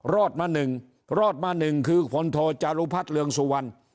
รอดมา๑รอดมาหนึ่งคือพลโทจารุพัฒน์เรืองสุวรรณ